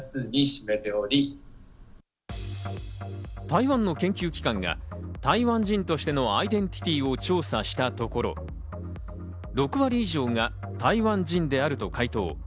台湾の研究機関が台湾人としてのアイデンティティーを調査したところ、６割以上が台湾人であると回答。